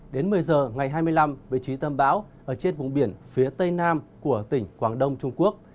đến một mươi giờ ngày hai mươi năm vị trí tâm bão ở trên vùng biển phía tây nam của tỉnh quảng đông trung quốc